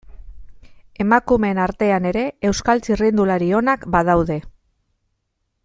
Emakumeen artean ere, Euskal txirrindulari onak badaude.